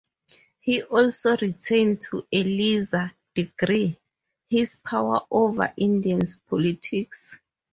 He also retained, to a lesser degree, his power over Indiana politics.